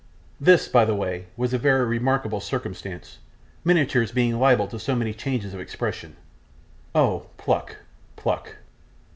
This, by the way, was a very remarkable circumstance, miniatures being liable to so many changes of expression 'Oh, Pluck! Pluck!